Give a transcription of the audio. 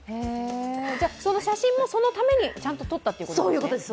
その写真もそのためにちゃんと撮ったということですね？